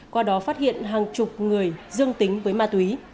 qua đó phát hiện hàng chục người dương tính với ma túy